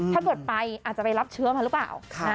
ถ้าเกิดไปอาจจะไปรับเชื้อมาหรือเปล่า